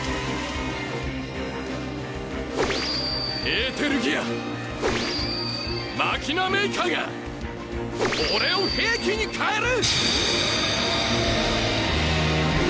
エーテルギアマキナ・メイカーが俺を兵器に変える！